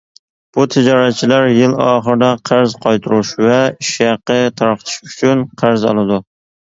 بۇ تىجارەتچىلەر يىل ئاخىرىدا قەرز قايتۇرۇش ۋە ئىش ھەققى تارقىتىش ئۈچۈن قەرز ئالىدۇ.